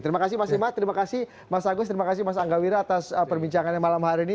terima kasih mas ima terima kasih mas agus terima kasih mas angga wira atas perbincangannya malam hari ini